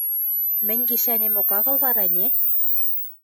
– Мӹнь гишӓнемок агыл вара ӹне?